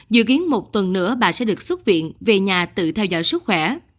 dự kiến một tuần nữa bà sẽ được xuất viện về nhà tự theo dõi sức khỏe